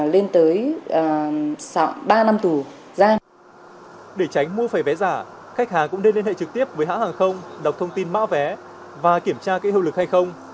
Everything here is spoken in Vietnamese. để tránh mua phải vé giả khách hàng cũng nên liên hệ trực tiếp với hãng hàng không đọc thông tin mạ vé và kiểm tra cái hưu lực hay không